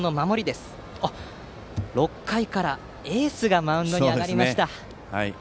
そして６回からエースがマウンドに上がりました。